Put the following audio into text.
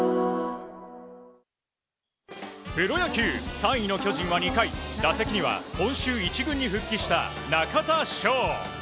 ３位の巨人は２回打席には今週１軍に復帰した中田翔。